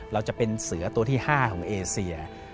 เราจะเป็นเสือตัวที่๕ของเอเซีย